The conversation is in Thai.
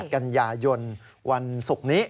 กันยายนวันศุกร์นี้